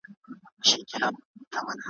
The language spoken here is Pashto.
خو اسمان دی موږ ته یو بهار ټاکلی `